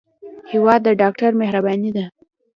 هېواد د ډاکټر مهرباني ده.